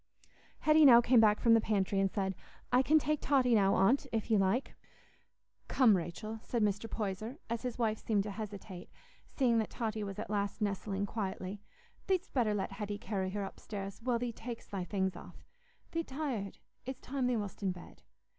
Hetty now came back from the pantry and said, "I can take Totty now, Aunt, if you like." "Come, Rachel," said Mr. Poyser, as his wife seemed to hesitate, seeing that Totty was at last nestling quietly, "thee'dst better let Hetty carry her upstairs, while thee tak'st thy things off. Thee't tired. It's time thee wast in bed.